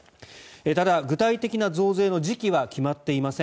ただ、具体的な増税の時期は決まっていません。